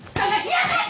やめて！